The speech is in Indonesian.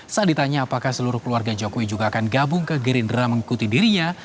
saat ditanya apakah seluruh keluarga jokowi juga akan gabung ke gerindra mengikuti dirinya